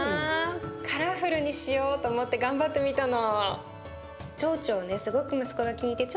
カラフルにしようと思って頑張ってみたの。